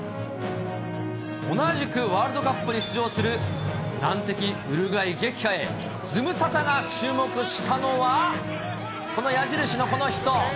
同じくワールドカップに出場する難敵ウルグアイ撃破へ、ズムサタが注目したのは、この矢印のこの人。